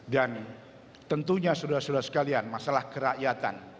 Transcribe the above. dan tentunya sudah sudah sekalian masalah kerakyatan